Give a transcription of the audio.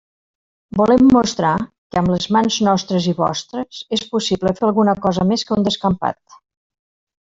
Volem mostrar que, amb les mans nostres i vostres, és possible fer alguna cosa més que un descampat.